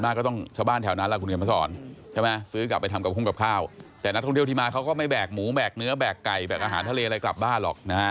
ไม่ได้แบกไก่แบกอาหารทะเลอะไรกลับบ้านหรอก